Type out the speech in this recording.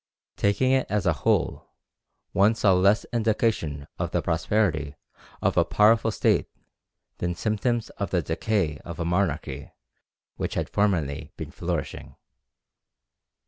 Taking it as a whole, one saw less indication of the prosperity of a powerful state than symptoms of the decay of a monarchy which had formerly been flourishing."